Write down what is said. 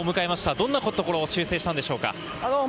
どんなところを修正したのでしょうか？